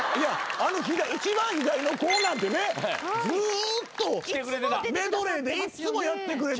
一番左の子なんてねずっとメドレーでいつもやってくれて。